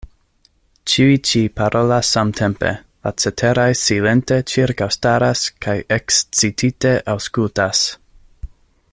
Ĉiuj ĉi parolas samtempe; la ceteraj silente ĉirkaŭstaras, kaj ekscitite aŭskultas.